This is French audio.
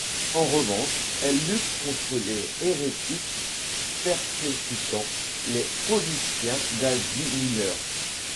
En revanche, elle lutte contre les hérétiques, persécutant les Pauliciens d'Asie Mineure.